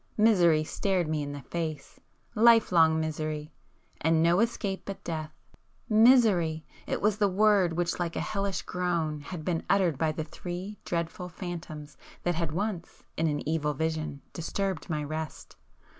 Misery stared me in the face,—life long misery,—and no escape but death. Misery!—it was the word which like a hellish groan, had been uttered by the three dreadful phantoms that had once, in an evil vision, disturbed my rest.